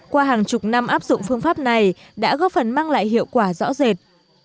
qua hàng chục năm áp dụng phương pháp này đã góp phần mang lại hiệu quả rõ rệt